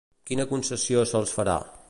Quina concessió se'ls farà?